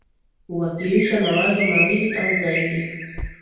huwakilisha mawazo mawili au zaidi.